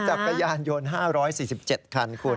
จักรยานยนต์๕๔๗คันคุณ